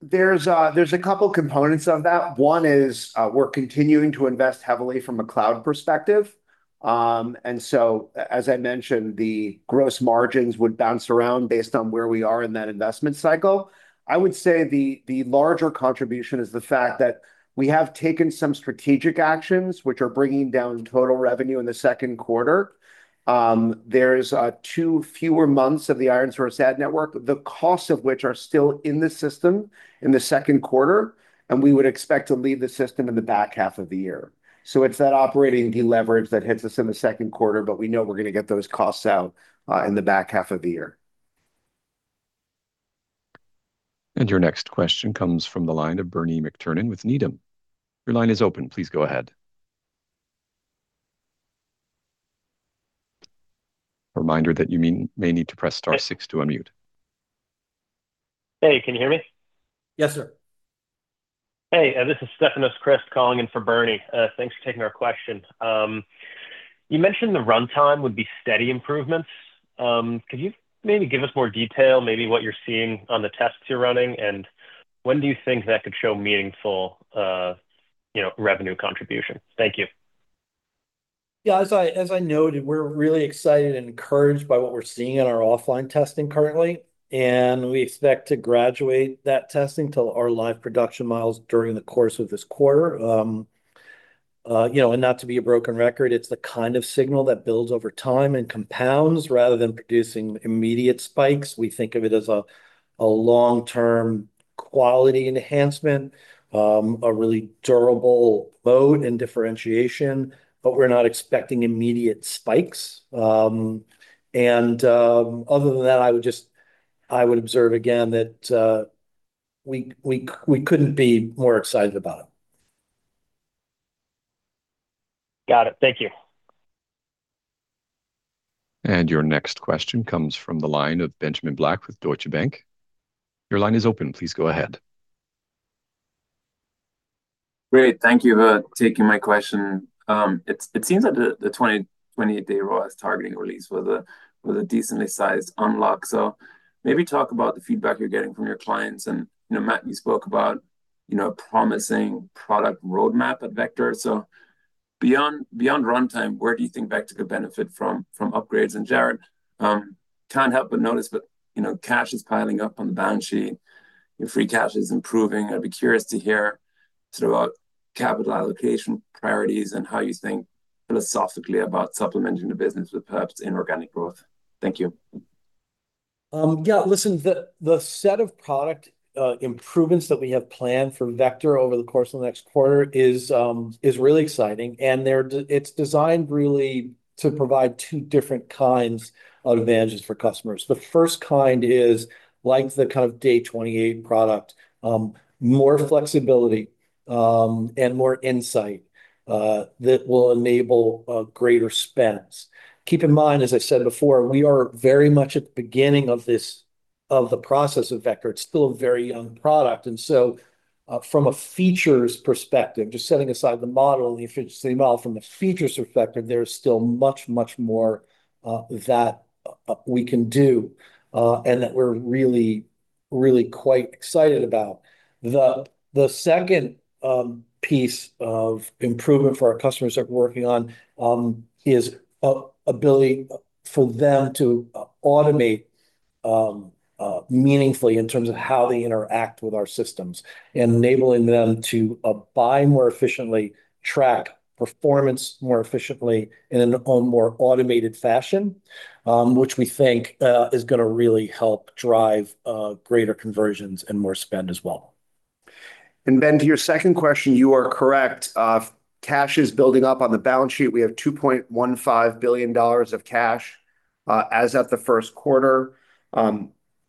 There's a couple components of that. One is, we're continuing to invest heavily from a cloud perspective. As I mentioned, the gross margins would bounce around based on where we are in that investment cycle. I would say the larger contribution is the fact that we have taken some strategic actions which are bringing down total revenue in the second quarter. There's two fewer months of the ironSource ad network, the costs of which are still in the system in the second quarter, and we would expect to leave the system in the back half of the year. It's that operating deleverage that hits us in the second quarter, but we know we're gonna get those costs out in the back half of the year. Your next question comes from the line of Bernie McTernan with Needham. Your line is open. Please go ahead. A reminder that you may need to press star six to unmute. Hey, can you hear me? Yes, sir. Hey, this is Stefanos Crist calling in for Bernie. Thanks for taking our question. You mentioned the runtime would be steady improvements. Could you maybe give us more detail, maybe what you're seeing on the tests you're running, and when do you think that could show meaningful, You know, revenue contribution. Thank you. Yeah, as I noted, we're really excited and encouraged by what we're seeing in our offline testing currently, and we expect to graduate that testing to our live production models during the course of this quarter. You know, not to be a broken record, it's the kind of signal that builds over time and compounds rather than producing immediate spikes. We think of it as a long-term quality enhancement, a really durable mode and differentiation, we're not expecting immediate spikes. Other than that, I would observe again that we couldn't be more excited about it. Got it. Thank you. Your next question comes from the line of Benjamin Black with Deutsche Bank. Your line is open. Please go ahead. Great. Thank you for taking my question. It seems like the 28-day ROAS targeting release was a decently sized unlock. Maybe talk about the feedback you're getting from your clients. You know, Matthew, you spoke about, you know, promising product roadmap at Vector. Beyond, beyond runtime, where do you think Vector could benefit from upgrades? Jarrod, can't help but notice, but, you know, cash is piling up on the balance sheet, your free cash is improving. I'd be curious to hear sort of about capital allocation priorities and how you think philosophically about supplementing the business with perhaps inorganic growth. Thank you. The set of product improvements that we have planned for Vector over the course of the next quarter is really exciting. It's designed really to provide 2 different kinds of advantages for customers. The first kind is like the kind of day-28 product, more flexibility, and more insight that will enable a greater spends. Keep in mind, as I said before, we are very much at the beginning of the process of Vector. It's still a very young product. From a features perspective, just setting aside the model, the efficiency model, from the features perspective, there is still much, much more that we can do, and that we're really, really quite excited about. The second piece of improvement for our customers that we're working on, is a ability for them to automate meaningfully in terms of how they interact with our systems, enabling them to buy more efficiently, track performance more efficiently in a more automated fashion, which we think is gonna really help drive greater conversions and more spend as well. Ben, to your second question, you are correct. Cash is building up on the balance sheet. We have $2.15 billion of cash as at the first quarter.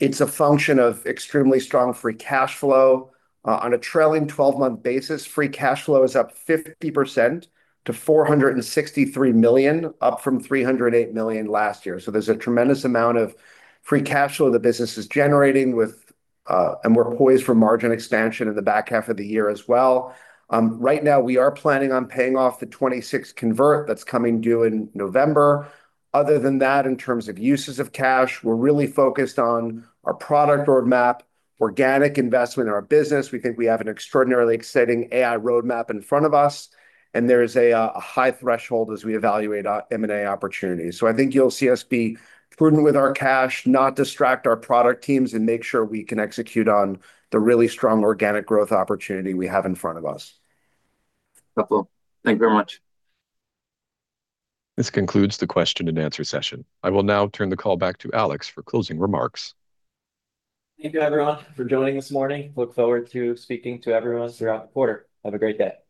It's a function of extremely strong free cashflow. On a trailing twelve-month basis, free cashflow is up 50% to $463 million, up from $308 million last year. There's a tremendous amount of free cashflow the business is generating with, and we're poised for margin expansion in the back half of the year as well. Right now we are planning on paying off the 2026 convert that's coming due in November. Other than that, in terms of uses of cash, we're really focused on our product roadmap, organic investment in our business. We think we have an extraordinarily exciting AI roadmap in front of us, and there is a high threshold as we evaluate our M&A opportunities. So I think you'll see us be prudent with our cash, not distract our product teams, and make sure we can execute on the really strong organic growth opportunity we have in front of us. Wonderful. Thank you very much. This concludes the question and answer session. I will now turn the call back to Alex for closing remarks. Thank you everyone for joining this morning. Look forward to speaking to everyone throughout the quarter. Have a great day.